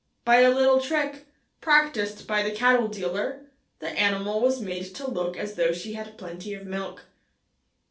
By a little trick, practiced by the cattle dealer, the animal was made to look as though she had plenty of milk.